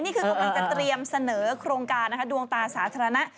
นี่คือมันจะเตรียมเสนอโครงการดวงตาสาธารณะ